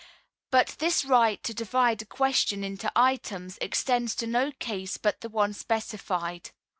But this right to divide a question into items extends to no case but the one specified.